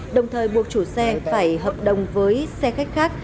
đồng thời buộc chủ xe phải hợp đồng với xe khách khác